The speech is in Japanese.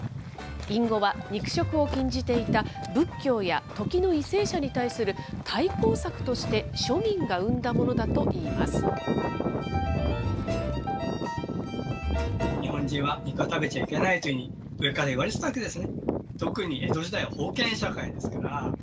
隠語は肉食を禁じていた仏教や、時の為政者に対する対抗策として庶民が生んだものだといいます。